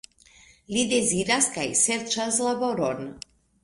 Li deziras kaj serĉas laboron.